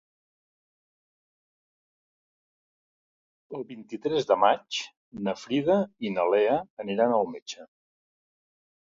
El vint-i-tres de maig na Frida i na Lea aniran al metge.